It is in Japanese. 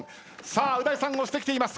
う大さん押してきています。